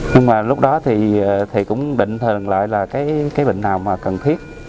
nhưng mà lúc đó thì cũng định thường lại là cái bệnh nào mà cần thiết